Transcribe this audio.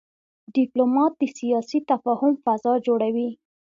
ډيپلومات د سیاسي تفاهم فضا جوړوي.